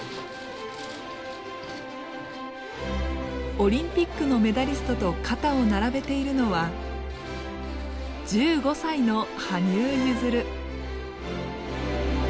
オリンピックのメダリストと肩を並べているのは１５歳の羽生結弦。